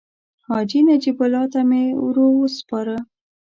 حاجي نجیب الله ته مې ورو سپاره.